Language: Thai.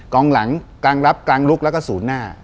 กองหลังกลางรับกลางลุกแล้วก็ศูนย์หน้า